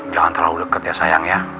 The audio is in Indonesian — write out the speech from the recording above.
jangan terlalu deket ya sayang ya